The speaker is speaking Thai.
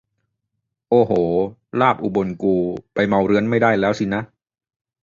โอ้โห ลาบอุบลกู ไปเมาเรื้อนไม่ได้แล้วสินะ